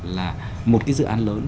là một cái dự án lớn